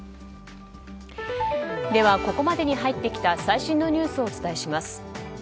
ここまでに入ってきた最新ニュースをお伝えします。